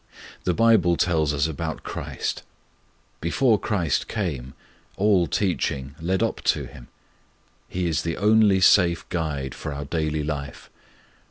The Bible tells us about Christ. Before Christ came all teaching led up to Him. He is the only safe Guide for our daily life.